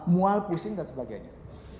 mual pusing dan sebagainya